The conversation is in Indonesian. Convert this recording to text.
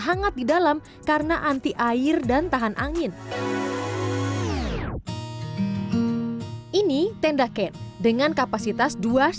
hangat di dalam karena anti air dan tahan angin ini tenda ken dengan kapasitas